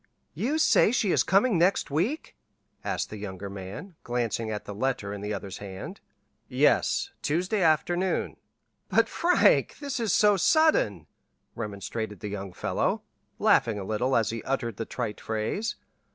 "You say she is coming next week?" asked the younger man, glancing at the letter in the other's hand. "Yes. Tuesday afternoon." "But, Frank, this is so sudden," remonstrated the young fellow, laughing a little as he uttered the trite phrase.